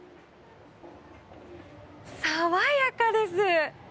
爽やかです。